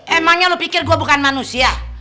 emangnya lu pikir gua bukan manusia